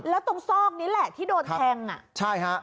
และตรงซอกนี้แหละที่โดนแทงนะ